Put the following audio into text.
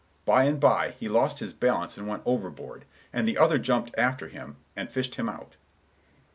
By and by he lost his balance and went overboard, and the other jumped after him and fished him out."